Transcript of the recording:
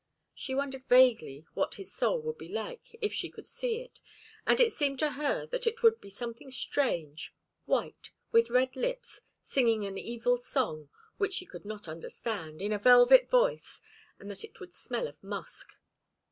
She wondered vaguely what his soul would be like, if she could see it, and it seemed to her that it would be something strange white, with red lips, singing an evil song, which she could not understand, in a velvet voice, and that it would smell of musk.